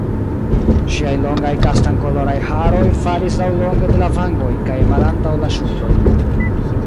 Ŝiaj longaj kastankoloraj haroj falis laŭlonge de la vangoj kaj malantaŭ la ŝultroj.